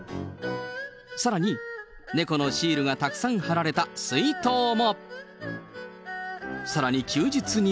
さらに猫のシールがたくさん貼られた水筒も。